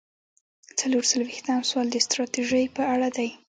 څلور څلویښتم سوال د ستراتیژۍ په اړه دی.